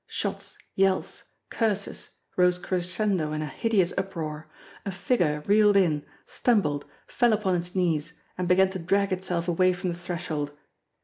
Shots, yells, curses, rose crescendo in a hideous uproar. A figure reeled in, stumbled, fell upon its knees, and began to drag itself away from the threshold.